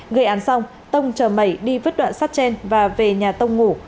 gây án xong tông chờ mẩy đi vứt đoạn sát trên và về nhà tông ngủ